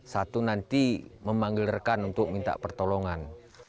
satu nanti memanggil rekan untuk minta pertolongan